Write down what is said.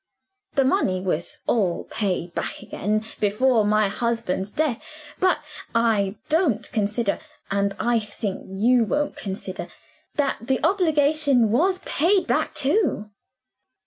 The money was all paid back again, before my husband's death. But I don't consider and, I think you won't consider that the obligation was paid back too.